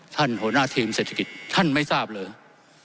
หัวหน้าทีมเศรษฐกิจท่านไม่ทราบเลย